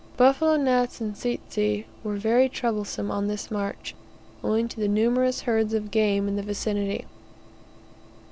Buffalo gnats and tsetse were very troublesome on this march, owing to the numerous herds of game in the vicinity.